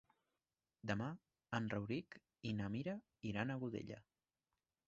Demà en Rauric i na Mira iran a Godella.